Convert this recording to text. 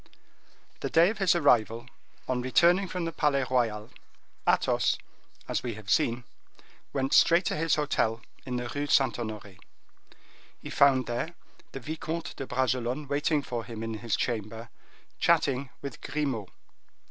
The day of his arrival, on returning from the Palais Royal, Athos, as we have seen, went straight to his hotel in the Rue Saint Honore. He there found the Vicomte de Bragelonne waiting for him in his chamber, chatting with Grimaud.